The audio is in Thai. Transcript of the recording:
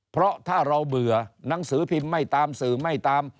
เพราะถ้าเราเบื่อหนังสือพิมพ์ไม่ตามสื่อไม่ตาม